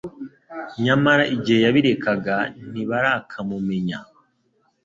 Nyamara igihe yabiyerekaga ntibarakamumenya.